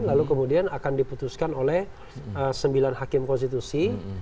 lalu kemudian akan diputuskan oleh sembilan hakim konstitusi